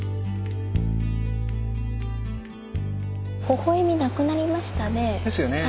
ほほ笑みなくなりましたね。